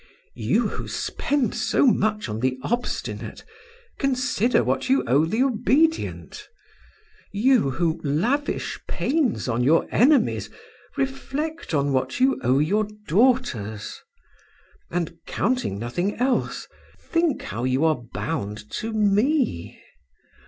You who spend so much on the obstinate, consider what you owe the obedient. You who lavish pains on your enemies, reflect on what you owe your daughters. And, counting nothing else, think how you are bound to me!